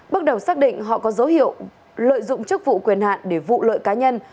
bước đầu xác định họ có dấu hiệu lợi dụng chức vụ quyền hạn để vụ lợi cá nhân